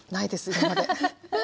今まで。